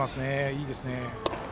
いいですね。